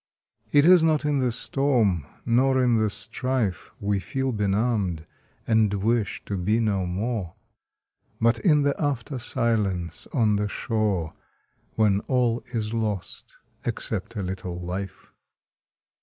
It is not in the storm nor in the strife We feel benumbed, and wish to be no more, But in the after silence on the shore, When all is lost, except a little life.